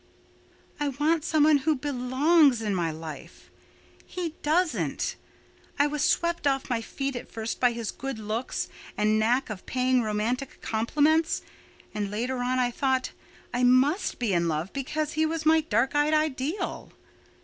"I want some one who belongs in my life. He doesn't. I was swept off my feet at first by his good looks and knack of paying romantic compliments; and later on I thought I must be in love because he was my dark eyed ideal."